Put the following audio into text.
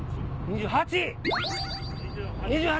２８！